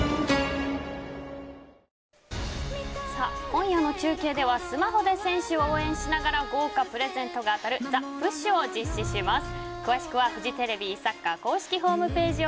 今夜の中継ではスマホで選手を応援しながら豪華プレゼントが当たるＴｈｅＰｕｓｈを実施します。